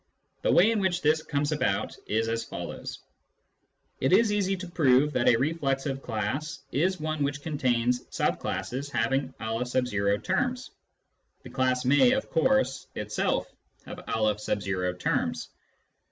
The way in which this comes about is as follows :— It is easy to prove that a reflexive class is one which contains sub classes having N terms. (The class may, of course, itself have M terms.)